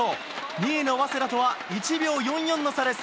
２位の早稲田とは１秒４４の差です。